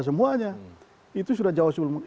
semuanya itu sudah jauh